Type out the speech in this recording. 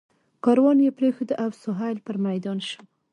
کاروان یې پرېښود او سهیل پر میدان شو.